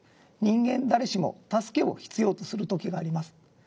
人間誰しも助けを必要とする時があります。